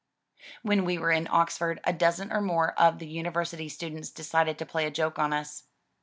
When we were in Oxford, a dozen or more of the university students decided to play a joke on us.